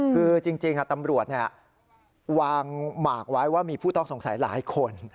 คือจริงตำรวจวางหมากไว้ว่ามีผู้ต้องสงสัยหลายคน